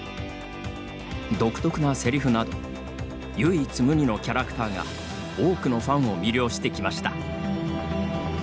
独特なセリフなど唯一無二のキャラクターが多くのファンを魅了してきました。